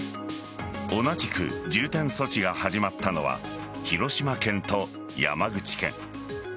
同じく重点措置が始まったのは広島県と山口県。